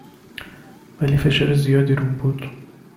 ولی فشار زیادی روم بود